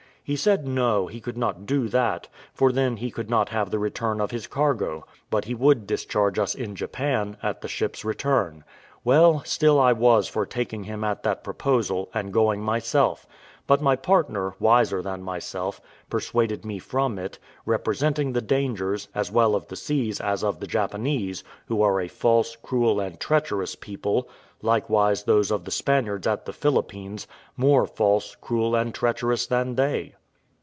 He said No, he could not do that, for then he could not have the return of his cargo; but he would discharge us in Japan, at the ship's return. Well, still I was for taking him at that proposal, and going myself; but my partner, wiser than myself, persuaded me from it, representing the dangers, as well of the seas as of the Japanese, who are a false, cruel, and treacherous people; likewise those of the Spaniards at the Philippines, more false, cruel, and treacherous than they.